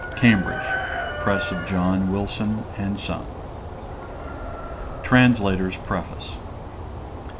Cambridge: Press of John Wilson and Son. TRANSLATOR'S PREFACE.